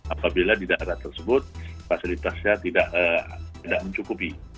apabila tidak ada tersebut fasilitasnya tidak mencukupi